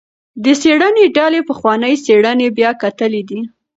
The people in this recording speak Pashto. د څیړنې ډلې پخوانۍ څیړنې بیا کتلي دي.